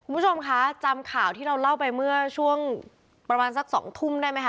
คุณผู้ชมคะจำข่าวที่เราเล่าไปเมื่อช่วงประมาณสัก๒ทุ่มได้ไหมคะ